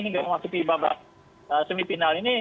hingga memasuki babak semifinal ini